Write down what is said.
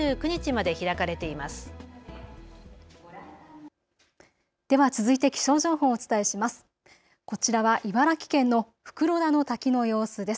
では続いて気象情報をお伝えします。